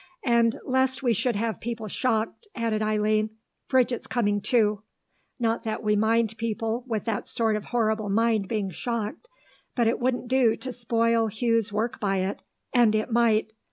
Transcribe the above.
"And, lest we should have people shocked," added Eileen, "Bridget's coming too. Not that we mind people with that sort of horrible mind being shocked but it wouldn't do to spoil Hugh's work by it, and it might.